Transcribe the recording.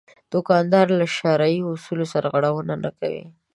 دوکاندار له شرعي اصولو سرغړونه نه کوي.